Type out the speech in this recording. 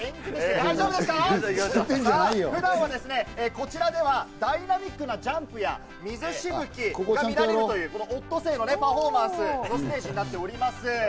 こちらではダイナミックなジャンプや水しぶきが見られるというオットセイのパフォーマンスのステージになっております。